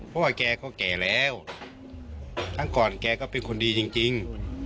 เพราะว่าแกก็แก่แล้วครั้งก่อนแกก็เป็นคนดีจริง